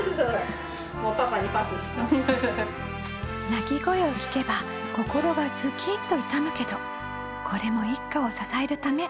泣き声を聞けば心がズキンと痛むけどこれも一家を支えるため。